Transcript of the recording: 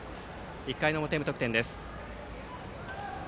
１回の表は無得点です。